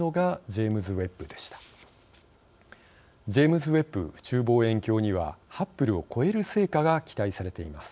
ジェームズ・ウェッブ宇宙望遠鏡にはハッブルを超える成果が期待されています。